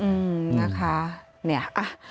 อืมนะคะเนี่ย